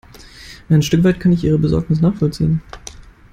Ein Stück weit kann ich ihre Besorgnis nachvollziehen.